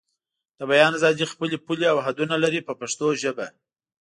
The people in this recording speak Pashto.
د بیان ازادي خپلې پولې او حدونه لري په پښتو ژبه.